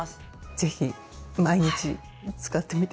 ぜひ毎日使ってみて下さい。